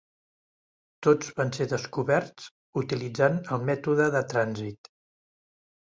Tots van ser descoberts utilitzant el mètode de trànsit.